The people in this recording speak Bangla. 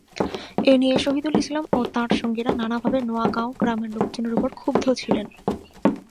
এ নিয়ে শহিদুল ইসলাম ও তাঁর সঙ্গীরা নানাভাবে নোয়াগাঁও গ্রামের লোকজনের ওপর ক্ষুব্ধ ছিলেন।